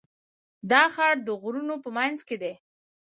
دا ښار د غرونو په منځ کې دی.